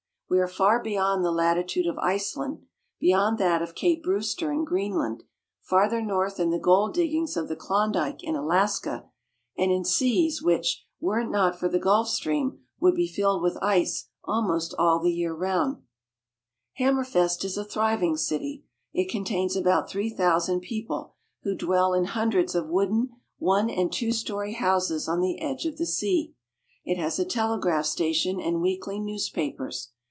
We are far beyond the latitude of Iceland, beyond that of Cape Brewster in Greenland, farther north than the gold diggings of the Klondike in Alaska, and in seas which, were it not for the Gulf Stream, would be filled with ice almost all the year round. WHERE THE SUN SHINES AT MIDNIGHT. 171 Hammerfest is a thriving city. It contains about three thousand people, who dwell in hundreds of wooden one and two story houses on the edge of the sea. It has a telegraph station and weekly newspapers.